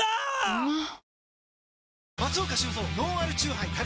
うまっ！！